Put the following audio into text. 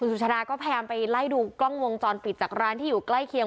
สุชาดาก็พยายามไปไล่ดูกล้องวงจรปิดจากร้านที่อยู่ใกล้เคียง